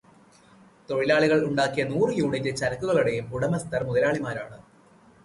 തൊഴിലാളികൾ ഉണ്ടാക്കിയ നൂറ് യൂണിറ്റ് ചരക്കുകളുടേയും ഉടമസ്ഥർ മുതലാളിമാരാണ്.